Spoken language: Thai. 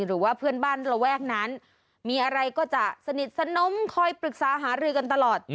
หรือว่าเพื่อนบ้านระแวกนั้นมีอะไรก็จะสนิทสนมคอยปรึกษาหารือกันตลอด